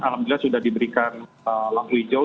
alhamdulillah sudah diberikan lampu hijau